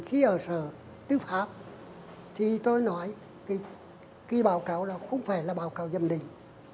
khi ở sở tư pháp thì tôi nói khi báo cáo đó không phải là báo cáo giám định